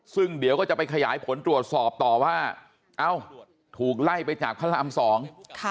ซึ่งเดี๋ยวก็จะไปขยายผลตรวจสอบต่อว่าเอ้าถูกไล่ไปจากพระรามสองค่ะ